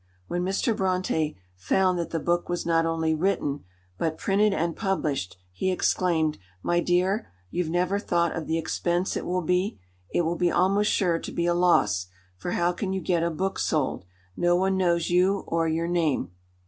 When Mr. Brontë found that the book was not only written, but printed and published, he exclaimed, "My dear, you've never thought of the expense it will be! It will be almost sure to be a loss, for how can you get a book sold? No one knows you or your name."